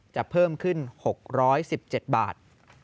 เพิ่มขึ้น๖๑๗บาท